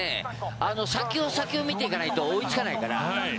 先を先を見ていかないと追いつかないから。